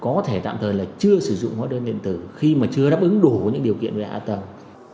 chúng ta đang lo ngại là chưa sử dụng hóa đơn điện tử khi mà chưa đáp ứng đủ những điều kiện về hạ tầng